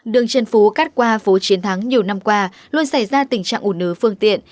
đường trần phú cắt qua phố chiến thắng nhiều năm qua luôn xảy ra tình trạng ủ nứ phương tiện